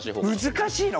難しいの？